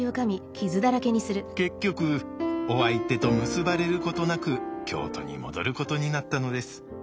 結局お相手と結ばれることなく京都に戻ることになったのです。